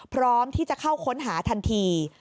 พร้อมที่จะเข้าค้นหาทันที